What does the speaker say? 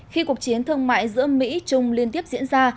khi cuộc chiến thương mại giữa mỹ trung liên tiếp diễn ra